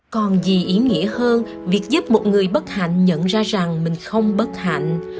còn gì ý nghĩa hơn việc giúp một người bất hạnh nhận ra rằng mình không bất hạnh